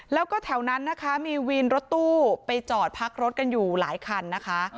แล้วก็แถวนั้นนะคะมีวินรถตู้ไปจอดพักรถกันอยู่หลายคันนะคะ